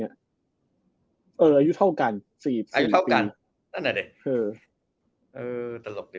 อายุเท่ากันเก็บเลย